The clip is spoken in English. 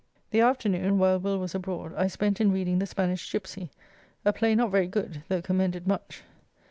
The afternoon (while Will was abroad) I spent in reading "The Spanish Gypsey," a play not very good, though commended much.